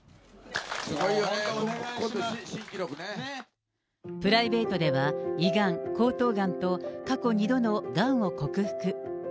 すごいよね、プライベートでは、胃がん、喉頭がんと、過去２度のがんを克服。